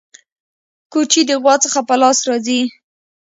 کوچي د غوا څخه په لاس راځي.